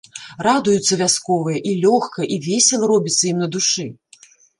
Радуюцца вясковыя і лёгка, і весела робіцца ім на душы.